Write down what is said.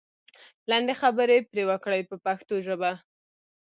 لنډې خبرې پرې وکړئ په پښتو ژبه.